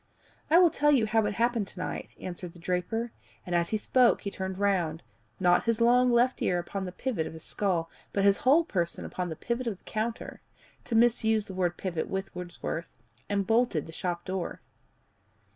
"I will tell you how it happened to night," answered the draper, and as he spoke he turned round, not his long left ear upon the pivot of his skull, but his whole person upon the pivot of the counter to misuse the word pivot with Wordsworth and bolted the shop door.